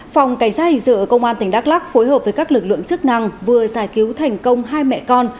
phòng cảnh sát hình sự ở công an tỉnh đắk lắc phối hợp với các lực lượng chức năng vừa giải cứu thành công hai mẹ con